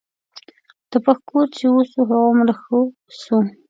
د پښ کور چې وسو هغومره ښه سو.